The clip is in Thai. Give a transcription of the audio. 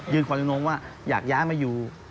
ยืนขออนุโมงว่าอยากย้ายมาอยู่